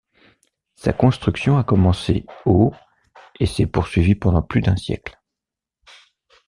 Sa construction a commencé au et s'est poursuivie pendant plus d'un siècle.